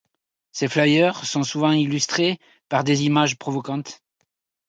Ces flyers sont souvent illustrés par des images provocantes.